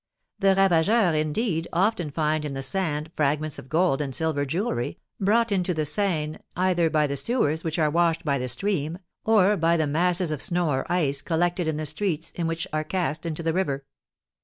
The ravageurs, indeed, often find in the sand fragments of gold and silver jewelry, brought into the Seine either by the sewers which are washed by the stream, or by the masses of snow or ice collected in the streets, and which are cast into the river.